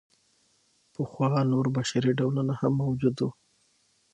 پخوا نور بشري ډولونه هم موجود وو.